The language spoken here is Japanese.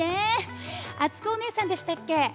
あつこおねえさんでしたっけ？